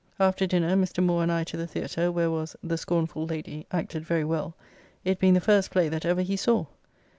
After dinner Mr. Moore and I to the Theatre, where was "The Scornful Lady," acted very well, it being the first play that ever he saw.